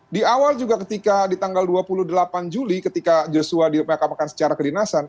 di awal juga ketika di tanggal dua puluh delapan juli ketika joshua dimakamkan secara kedinasan